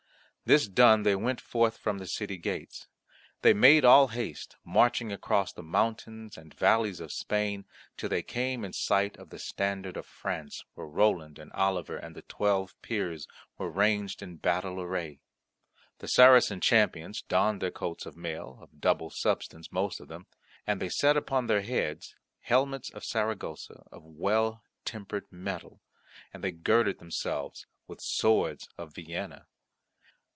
This done they went forth from the city gates. They made all haste, marching across the mountains and valleys of Spain till they came in sight of the standard of France, where Roland and Oliver and the Twelve Peers were ranged in battle array. The Saracen champions donned their coats of mail, of double substance most of them, and they set upon their heads helmets of Saragossa of well tempered metal, and they girded themselves with swords of Vienna.